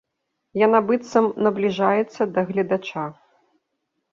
Яна быццам набліжаецца да гледача.